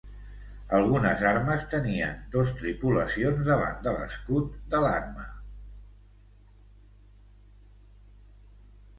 Algunes armes tenien dos tripulacions davant de l'escut de l'arma.